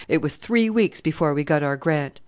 It was three weeks before we got our grant.